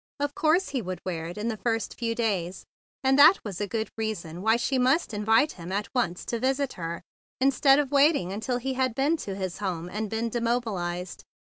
Of course he would wear it the first few days. And that was a good reason why she must invite him at once to visit her instead of waiting until he had been to his home and been demobilized.